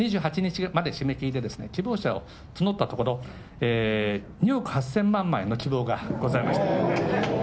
２８日まで締め切りで、希望者を募ったところ、２億８０００万枚の希望がございました。